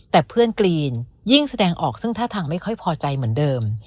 แต่เพื่อนกรีนยิ่งแสดงออกซึ่งท่าทางไม่ค่อยพอใจเหมือนเดิม